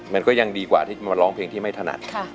มันก็ยังดีกว่าที่จะมาร้องเพลงที่ไม่ถนัด